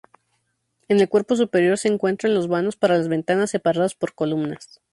En el cuerpo superior se encuentran los vanos para las ventanas, separadas por columnas.